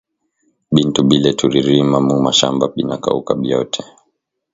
Bintu bile turi rima mu mashamba bina kauka biote